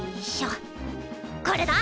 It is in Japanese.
これだ！